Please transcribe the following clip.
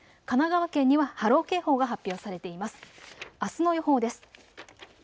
神奈川県には波浪警報が発表されています。